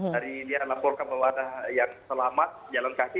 jadi dia laporkan bahwa ada yang selamat jalan kaki